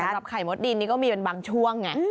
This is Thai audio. สำหรับไข่มดดินนี่ก็มีเป็นบางช่วงไง